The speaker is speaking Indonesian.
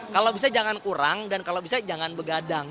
kalau bisa jangan kurang dan kalau bisa jangan begadang